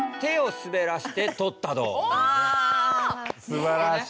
すばらしい。